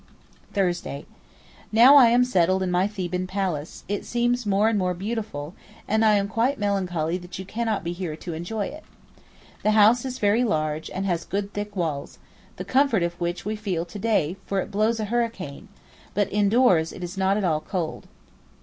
Thursday.—Now I am settled in my Theban palace, it seems more and more beautiful, and I am quite melancholy that you cannot be here to enjoy it. The house is very large and has good thick walls, the comfort of which we feel to day for it blows a hurricane; but indoors it is not at all cold.